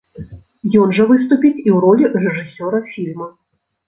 Ён жа выступіць і ў ролі рэжысёра фільма.